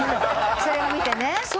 それを見てね。